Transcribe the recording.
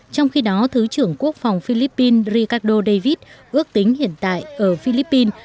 trong khi đó thứ trưởng quốc phòng philippines ricardo david ước tính hiện tại ở philippines